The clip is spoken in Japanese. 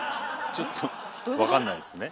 ちょっと分かんないっすね。